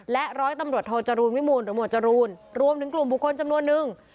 ร้อยตำรวจโทจรูลวิมูลหรือหวดจรูนรวมถึงกลุ่มบุคคลจำนวนนึง